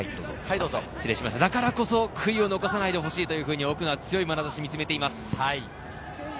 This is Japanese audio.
だからこそ悔いを残さないでほしいというふうに奥野は強いまなざしで見つめています。